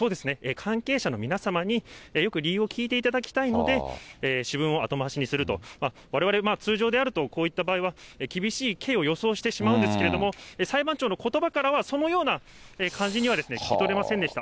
関係者の皆様に、よく理由を聞いていただきたいので、主文を後回しにすると、われわれ通常であると、こういった場合は厳しい刑を予想してしまうんですけれども、裁判長のことばからは、そのような感じには聞き取れませんでした。